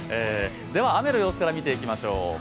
では、雨の様子を見ていきましょう